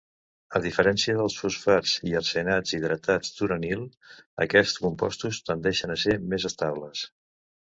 A diferència dels fosfats i arsenats hidratats d'uranil, aquests compostos tendeixen a ser més estables.